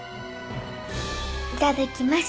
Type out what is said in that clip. いただきます。